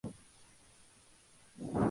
Fort Lauderdale Strikers